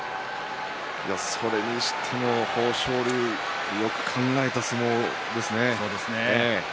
それにしても豊昇龍はよく考えた相撲ですね。